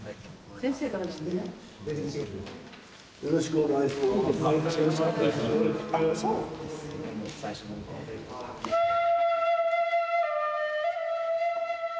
よろしくお願いします。